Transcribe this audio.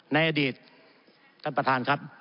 ในอดีตท่านประธานครับ